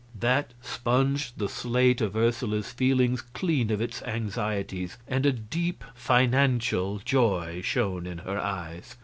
That sponged the slate of Ursula's feelings clean of its anxieties, and a deep, financial joy shone in her eyes.